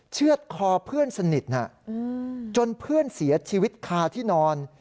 เชื่อดคอเพื่อนสนิทจนเพื่อนเสียชีวิตคาที่นอน